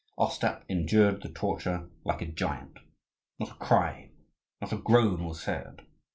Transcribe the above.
Ostap endured the torture like a giant. Not a cry, not a groan, was heard.